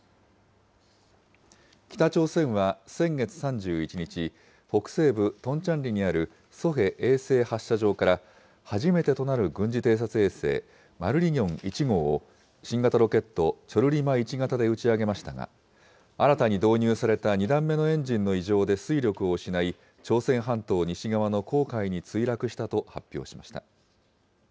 北朝鮮は先月３１日、北西部トンチャンリにあるソヘ衛星発射場から、初めてとなる軍事偵察衛星、マルリギョン１号を、新型ロケット、チョルリマ１型で打ち上げましたが、新たに導入された２段目のエジンの異常で推力を失い、朝鮮半島西側の黄海に墜落したと発表しました。